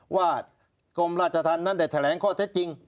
ผมได้แถลง